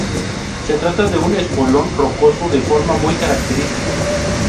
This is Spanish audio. Se trata de un espolón rocoso de forma muy característica.